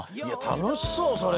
たのしそうそれ！